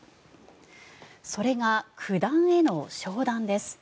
それが、九段への昇段です。